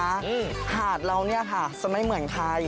อาหารเรานี่ค่ะสมัยเหมือนใคร